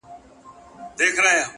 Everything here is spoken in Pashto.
د همدې شپې په سهار کي يې ويده کړم~